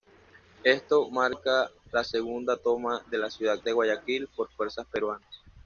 Esto marca la segunda toma de la ciudad de Guayaquil por fuerzas peruanas.